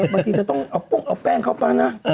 บางทีจะต้องเอาแป้งเข้าไปนะ